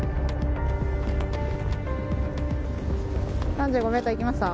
３５ｍいきました。